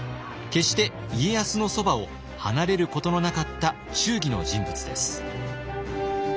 決して家康のそばを離れることのなかった忠義の人物です。